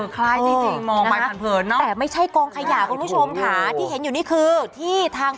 ขอประทานโทษแพทย์แพทย์แรก